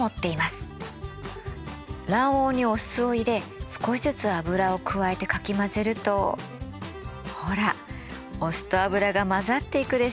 卵黄にお酢を入れ少しずつ油を加えてかき混ぜるとほらお酢と油が混ざっていくでしょ。